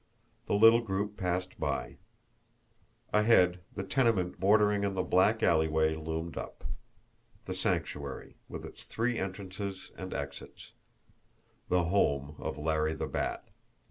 The little group passed by. Ahead, the tenement bordering on the black alleyway loomed up the Sanctuary, with its three entrances and exits; the home of Larry the Bat.